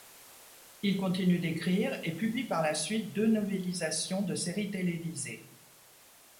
Il continue d'écrire et publie par la suite deux novélisations de séries télévisées.